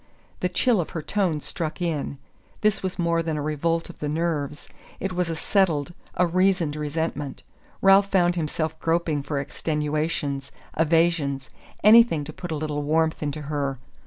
The chill of her tone struck in. This was more than a revolt of the nerves: it was a settled, a reasoned resentment. Ralph found himself groping for extenuations, evasions anything to put a little warmth into her!